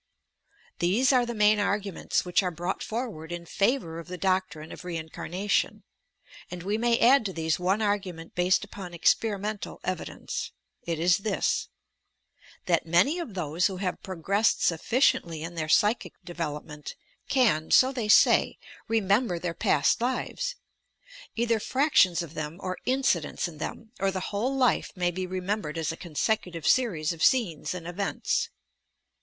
These are the main arguments, which are brought forward in favour of the doctrine of reincarnation, and we may add to these one argument based upon experi mental evidence. It is this: that many of those who have progressed sufficiently in their psychic develop ment can — 60 they say — remember tbeir past lives, — either fractions of them or incidents in them, or the whole life may be remembered as a consecutive series of scenes and events.